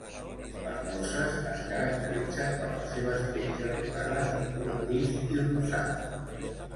Les morses es caracteritzen per les seves pells arrugades de color gris i rosat.